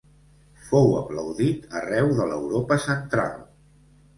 Fou aplaudit arreu de l'Europa central.